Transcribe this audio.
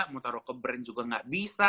mau taruh ke brand juga nggak bisa